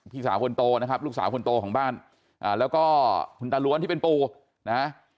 พี่สาวคนโตนะครับลูกสาวคนโตของบ้านแล้วก็คุณตาล้วนที่เป็นปู่นะ